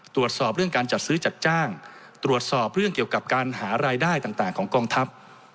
ตรวจสอบเรื่องการจัดซื้อจัดจ้างตรวจสอบเรื่องเกี่ยวกับการหารายได้ต่างของกองทัพ